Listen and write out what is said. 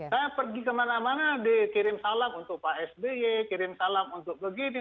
saya pergi kemana mana dikirim salam untuk pak sby kirim salam untuk begini